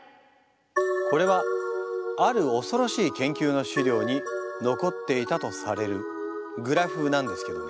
これはある恐ろしい研究の資料に残っていたとされるグラフなんですけどね。